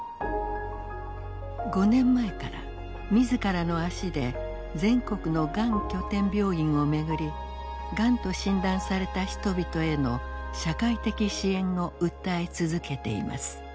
５年前から自らの足で全国のがん拠点病院を巡りがんと診断された人々への社会的支援を訴え続けています。